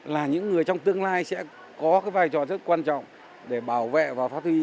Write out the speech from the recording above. là những người trong tương lai sẽ có cái vai trò rất quan trọng để bảo vệ và phát huy